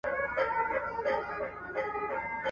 • د لېوني څخه ئې مه غواړه، مې ورکوه.